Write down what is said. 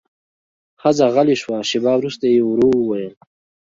ښځه غلې شوه، شېبه وروسته يې ورو وويل: